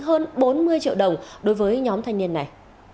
hơn bốn mươi triệu đồng đối với nhóm thanh niên này